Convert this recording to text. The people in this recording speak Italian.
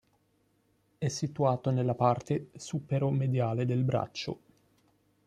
È situato nella parte supero-mediale del braccio.